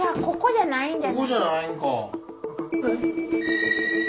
ここじゃないんか。